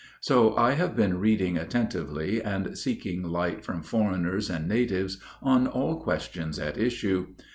So I have been reading attentively and seeking light from foreigners and natives on all questions at issue.